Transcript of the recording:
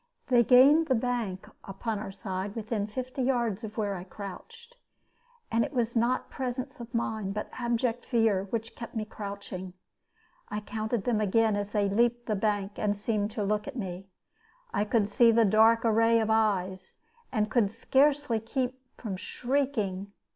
They gained the bank upon our side within fifty yards of where I crouched; and it was not presence of mind, but abject fear, which kept me crouching. I counted them again as they leaped the bank and seemed to look at me. I could see the dark array of eyes, and could scarcely keep from shrieking.